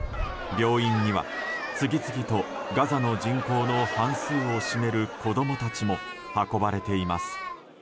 病院には次々とガザの人口の半数を占める子供たちも運ばれています。